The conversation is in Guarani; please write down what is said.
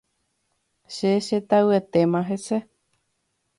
Che chetavyetéma hese.